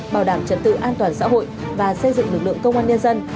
bảo đảm trật tự an toàn xã hội và xây dựng lực lượng công an nhân dân